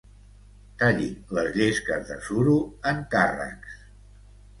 Tallis les llesques de suro en carracs.